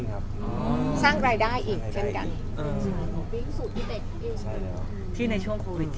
สร้างรายได้อีกเช่นกัน